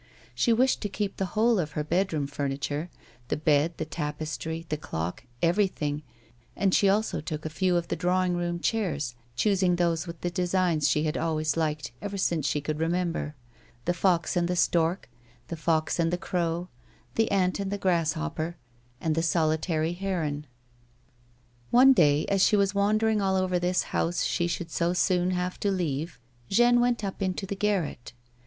She' wished to keep the whole of her bed room furniture, the bed, the tapestry, the clock — everything, and she also took a few of the drawing room chairs, choosing those with the designs she had always liked ever since she could remember — the fox and the stork, the fox and the crow, the ant and the grasshopper, and the solitary heron. One day, as she was wandering all over this house she should so soon have to leave, Jeanne went up into the garret.